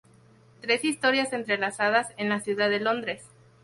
Tres historias entrelazadas en la ciudad de Londres.